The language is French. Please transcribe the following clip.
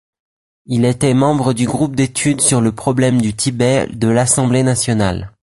Il était membre du groupe d'études sur le problème du Tibet de l'Assemblée nationale.